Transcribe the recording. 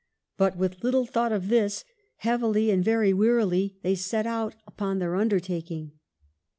x But with little thought of this, heavily and very wearily, they set out upon their undertaking.